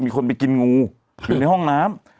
มีคนไปกินงูอยู่ในห้องน้ำ